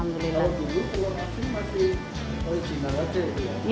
kalau dulu telur asin masih original aja ya